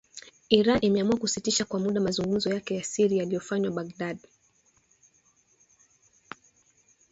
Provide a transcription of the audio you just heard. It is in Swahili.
Iran imeamua kusitisha kwa muda mazungumzo yake ya siri yaliyofanywa Baghdad.